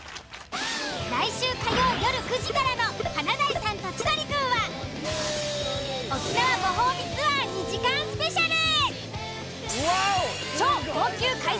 ［来週火曜夜９時からの『華大さんと千鳥くん』は沖縄ご褒美ツアー２時間スペシャル］